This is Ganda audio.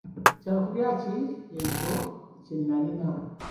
Kyakulya ki ekyo kye nnalina?